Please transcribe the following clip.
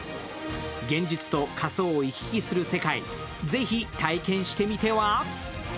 現実と仮想を行き来する世界、ぜひ体験してみては？